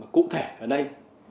cụ thể ở đây